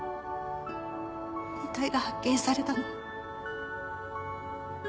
遺体が発見されたの